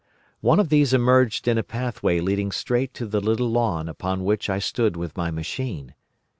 One of these emerged in a pathway leading straight to the little lawn upon which I stood with my machine.